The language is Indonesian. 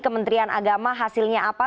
kementerian agama hasilnya apa